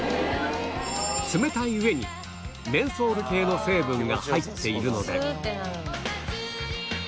冷たい上にメンソール系の成分が入っているので